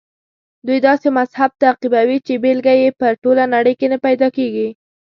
دوی داسې مذهب تعقیبوي چې بېلګه یې په ټوله نړۍ کې نه پیدا کېږي.